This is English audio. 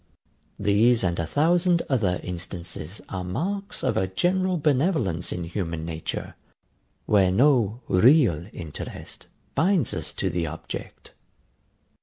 These and a thousand other instances are marks of a general benevolence in human nature, where no REAL interest binds us to the object.